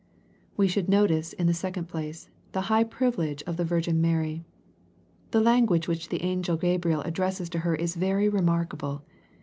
We should notice, in the second place, the high privilege of the Virgin Mary, The language which the angel Gabriel addresses to her is very remarkable.